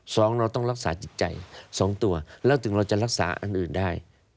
สองเราต้องรักษาจิตใจสองตัวแล้วถึงเราจะรักษาอันอื่นได้